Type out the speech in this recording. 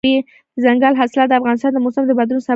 دځنګل حاصلات د افغانستان د موسم د بدلون سبب کېږي.